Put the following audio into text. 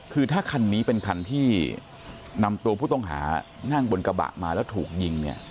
คือถ้าคันนี้เป็นคันที่นำตัวผู้ต้องหานั่งบนกระบะมาแล้วถูกยิงเนี่ย